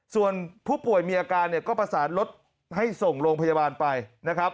ส่วนผู้ป่วยมีอาการเนี่ยก็ประสานรถให้ส่งโรงพยาบาลไปนะครับ